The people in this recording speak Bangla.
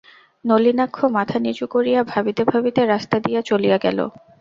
নলিনাক্ষ মাথা নিচু করিয়া ভাবিতে ভাবিতে রাস্তা দিয়া চলিয়া গেল।